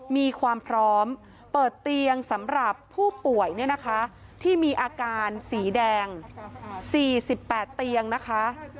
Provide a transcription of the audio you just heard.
มีความพร้อมเปิดเตียงสำหรับผู้ป่วยเนี่ยนะคะที่มีอาการสีแดง๔๘เตียงนะคะ